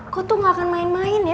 kok tuh gak akan main main ya